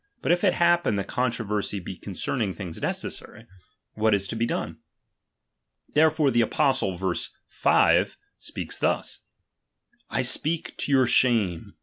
But if it happen the controversy be concerning things necessary, what libehty. is to be done? Therefore the Apostle (verse 5) chap. iv. speaks thus :/ speak to your shame.